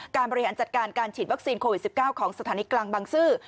บริหารจัดการการฉีดวัคซีนโควิด๑๙ของสถานีกลางบังซื้อ